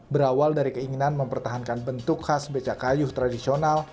berawal dari keinginan mempertahankan bentuk khas becak kayuh tradisional